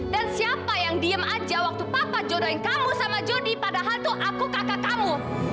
dan siapa yang diem aja waktu papa jodohin kamu sama jodi padahal tuh aku kakak kamu